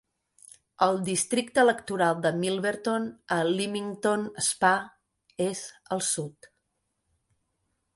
El districte electoral de Milverton a Leamington Spa és al sud.